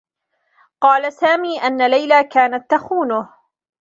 قال سامي أنّ ليلى كانت تخونه.